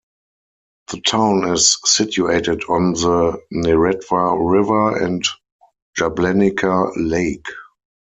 The town is situated on the Neretva river and Jablanica lake.